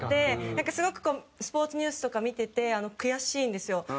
なんかすごくこうスポーツニュースとか見てて悔しいんですよ。